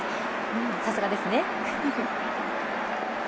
さすがですね。